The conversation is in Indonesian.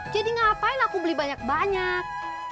jadi ngapain aku beli banyak banyak